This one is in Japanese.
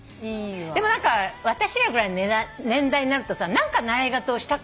でも何か私らぐらいの年代になるとさ何か習い事をしたくならない？